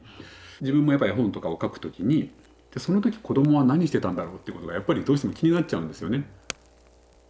自分もやっぱ絵本とかをかく時に「その時子どもは何してたんだろう？」っていうことがやっぱりどうしても気になっちゃうんですよね。